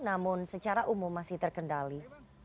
namun secara umum masih terkendali